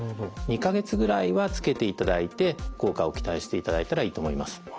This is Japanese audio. ２か月ぐらいは着けていただいて効果を期待していただいたらいいと思います。